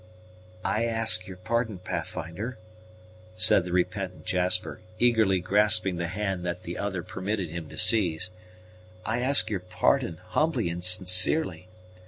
"I ask your pardon, Pathfinder," said the repentant Jasper, eagerly grasping the hand that the other permitted him to seize; "I ask your pardon, humbly and sincerely.